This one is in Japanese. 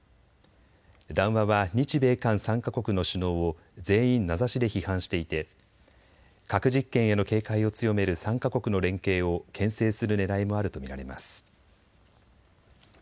談話は日米韓３か国の首脳を全員名指しで批判していて核実験への警戒を強める３か国の連携をけん制するねらいもあると見られます。